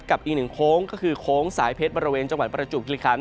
กับอีกหนึ่งโค้งก็คือโค้งสายเพชร